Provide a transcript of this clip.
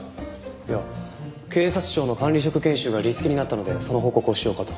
いや警察庁の管理職研修がリスケになったのでその報告をしようかと。